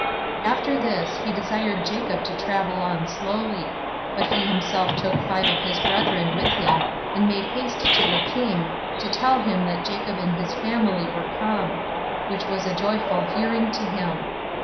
After this, he desired Jacob to travel on slowly; but he himself took five of his brethren with him, and made haste to the king, to tell him that Jacob and his family were come; which was a joyful hearing to him.